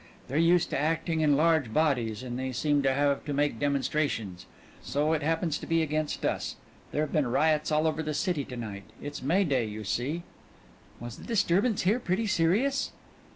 They're used to acting in large bodies, and they seem to have to make demonstrations. So it happens to be against us. There've been riots all over the city to night. It's May Day, you see." "Was the disturbance here pretty serious?"